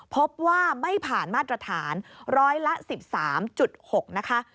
พบว่าไม่ผ่านมาตรฐานร้อยละ๑๓๖นะคะ